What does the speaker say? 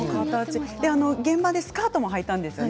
現場でスカートもはいたんですよね